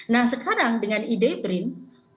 nah sekarang dengan ide brin konsepnya justru sebaliknya